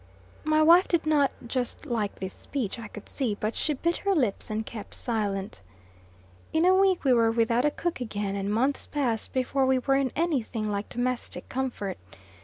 My wife did not just like this speech, I could see, but she bit her lips and kept silent. In a week we were without a cook again; and months passed before we were in any thing like domestic comfort.